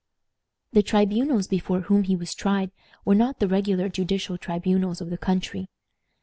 The tribunals before whom he was tried were not the regular judicial tribunals of the country.